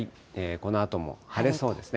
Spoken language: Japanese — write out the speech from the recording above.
このあとも晴れそうですね。